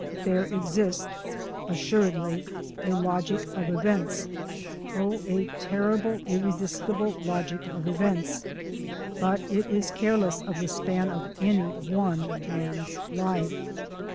There exists, assuredly, a logic of events, oh, a terrible, irresistible logic of events, but it is careless of the span of any one man's life.